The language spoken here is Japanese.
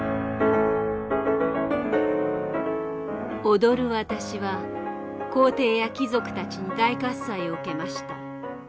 「踊る私は皇帝や貴族たちに大喝采を受けました。